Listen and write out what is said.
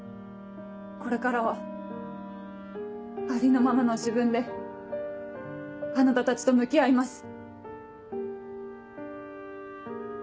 これからはありのままの自分であなたたちと向き合います。